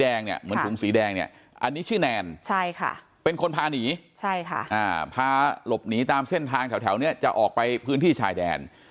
อันนี้ชื่อแนนใช่ค่ะเป็นคนพาหนีใช่ค่ะอ่าพาหลบหนีตามเส้นทางแถวแถวเนี้ยจะออกไปพื้นที่ชายแดน